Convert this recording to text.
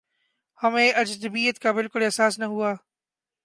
ہمیں اجنبیت کا بالکل احساس نہ ہوا